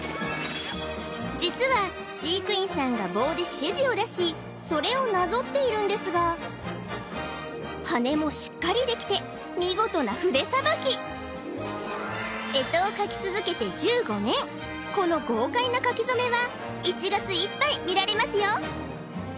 実は飼育員さんが棒で指示を出しそれをなぞっているんですがハネもしっかりできて見事な筆さばき干支を書き続けて１５年この豪快な書き初めは１月いっぱい見られますよ